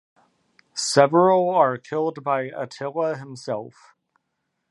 Several are killed by Attila himself.